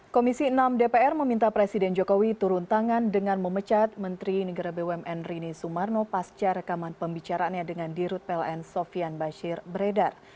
komisi enam dpr meminta presiden jokowi turun tangan dengan memecat menteri negara bumn rini sumarno pasca rekaman pembicaraannya dengan dirut pln sofian bashir beredar